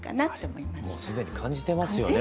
もう既に感じてますよね。